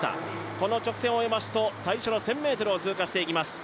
この直線を終えますと、最初の１０００ｍを通過していきます。